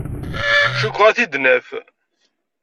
Cukkteɣ ad t-id-naf.